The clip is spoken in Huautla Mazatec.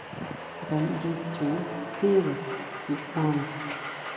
Ngaʼndé chu tjínre nyukjuana.